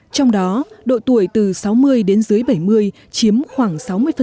trong đó độ tuổi từ sáu mươi đến dưới bảy mươi chiếm khoảng sáu mươi